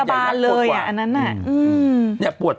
ฟังลูกครับ